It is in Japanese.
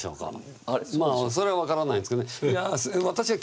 それは分からないですけどね